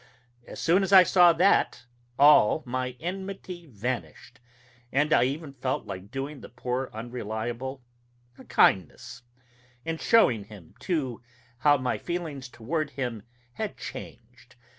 As soon as I saw that, all my enmity vanished; I even felt like doing the poor Unreliable a kindness, and showing him, too, how my feelings toward him had changed.